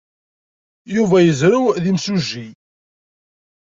Yuba yezrew d imsujji.